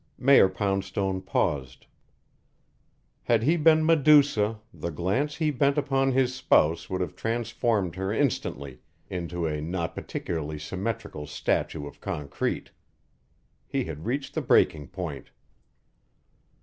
Mayor Poundstone paused. Had he been Medusa, the glance he bent upon his spouse would have transformed her instantly into a not particularly symmetrical statue of concrete. He had reached the breaking point.